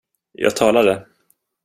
Jag talade.